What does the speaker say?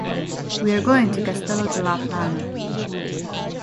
We are going to Castelló de la Plana.